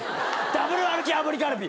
ダブル歩きあぶりカルビ。